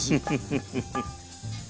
フフフフフ。